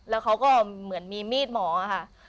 แล้วเขาก็เหมือนมีมีดหมอค่ะ